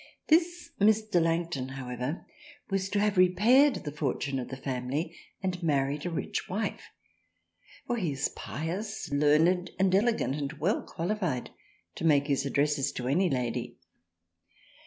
"This Mr. Langton however was to have repaired the fortune of the family and married a rich Wife, for he is pious, learned and elegant and well qualified to make his addresses to any Lady.